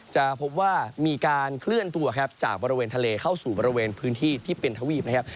จะพบว่ามีการเคลื่อนตัวครับจากบริเวณทะเลเข้าสู่บริเวณพื้นที่ที่เป็นทวีปนะครับ